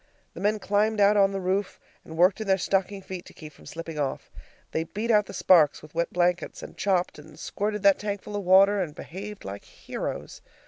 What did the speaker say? The men climbed out on the roof, and worked in their stocking feet to keep from slipping off. They beat out the sparks with wet blankets, and chopped, and squirted that tankful of water, and behaved like heroes.